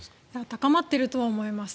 高まっているとは思います。